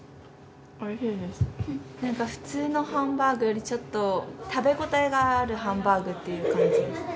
なんか普通のハンバーグよりちょっと食べ応えがあるハンバーグっていう感じです。